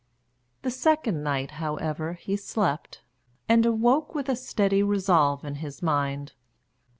The second night, however, he slept, and awoke with a steady resolve in his mind.